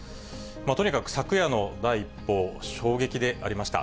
とにかく昨夜の第一報、衝撃でありました。